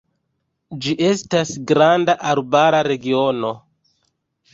Ĝi estas granda arbara regiono.